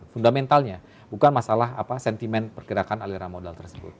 fundamentalnya bukan masalah sentimen pergerakan aliran modal tersebut